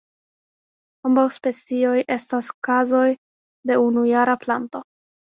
Ambaŭ specioj estas kazoj de unujara planto.